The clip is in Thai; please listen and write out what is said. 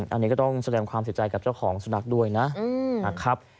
อันนี้ก็ต้องแสดงความเสียใจกับเจ้าของสุนัขด้วยนะครับ